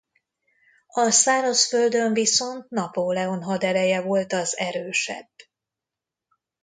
A szárazföldön viszont Napóleon hadereje volt az erősebb.